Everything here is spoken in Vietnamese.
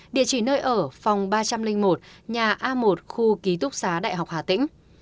địa chỉ nơi ở phòng ba trăm linh một nhà a một khu ký túc xá đại học hà tĩnh